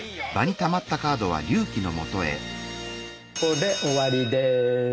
これで終わりです。